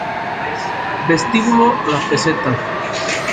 Vestíbulo La Peseta